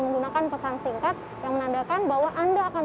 menggunakan pesan singkat yang menandakan bahwa anda akan